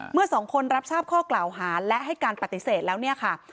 เมื่อสองคนรับทราบข้อกล่าวหาและให้การปฏิเสธแล้วเนี่ยค่ะ